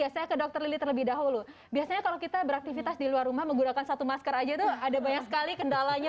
saya ke dokter lili terlebih dahulu biasanya kalau kita beraktivitas di luar rumah menggunakan satu masker aja tuh ada banyak sekali kendalanya